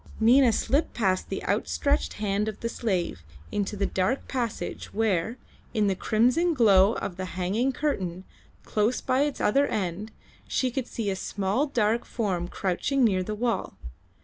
Nina slipped past the outstretched hand of the slave into the dark passage where, in the crimson glow of the hanging curtain, close by its other end, she could see a small dark form crouching near the wall.